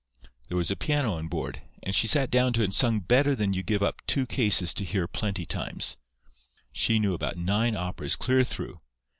There was a piano on board, and she sat down to it and sung better than you give up two cases to hear plenty times. She knew about nine operas clear through.